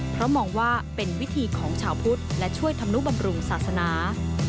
เพราะมองว่าเป็นวิธีของชาวพุทธและช่วยธรรมนุบำรุงศาสนา